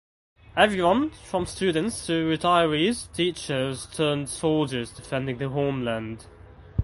Everyone from students to retirees teachers turned soldiers defending their homeland.